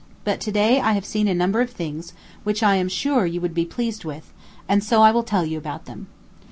But today I have seen a number of things which I am sure you would be pleased with, and so I will tell you about them.